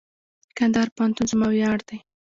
کندهار پوهنتون زما ویاړ دئ.